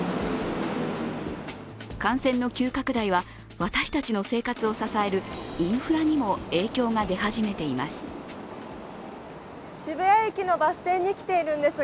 感染の急拡大は、私たちの生活を支えるインフラにも影響が出始めています。